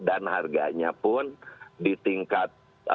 dan harganya pun di tingkat